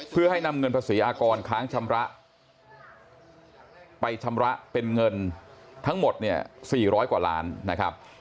เพื่อให้นำเงินภาษีอากรค้างชำระไปชำระเป็นเงินทั้งหมดเนี่ย๔๐๐กว่าล้านนะครับ